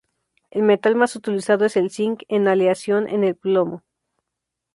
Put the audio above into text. El metal más utilizado es el zinc en aleación con el plomo.